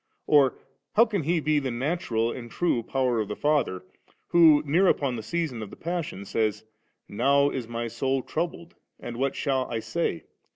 "Or how can He be the natural and true Power of the Father, who near upon the season of the passion sa)rs, * Now is My soul troubled, and what shall I say?